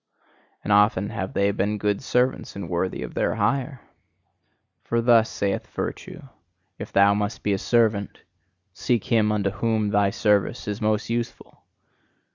And often have they been good servants and worthy of their hire. For thus saith virtue: "If thou must be a servant, seek him unto whom thy service is most useful!